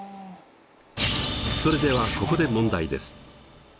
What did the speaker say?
それではここで問題です。